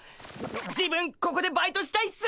自分ここでバイトしたいっす！